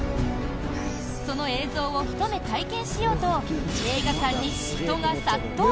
その映像をひと目体験しようと映画館に人が殺到。